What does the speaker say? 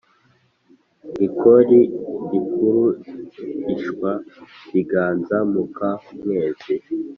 " gikoli igikurungishwabiganza muka mwezi.